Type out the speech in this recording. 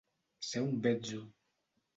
Ser un betzo.